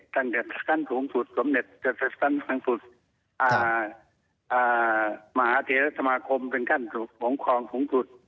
ตั้งแต่ขั้นสูงสุดหรือสำเนตหรือมหาเถรสมาครมเป็นขั้นสูงสุด